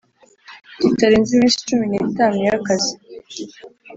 kitarenze iminsi cumi n itanu y akazi